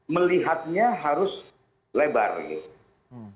melihatnya harus lebar gitu